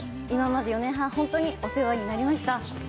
今まで４年半、本当にお世話になりました。